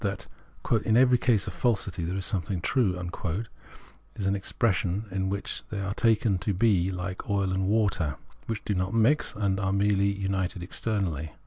That " in every case of falsity there is something true " is an ex pression in which they are taken to be like oil and water, which do not mix and are merely united externally.